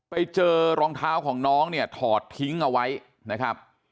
ไปเจอรองเท้าของน้องเนี่ยถอดทิ้งเอาไว้นะครับ